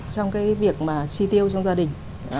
trong cái việc mà chi tiêu trong gia đình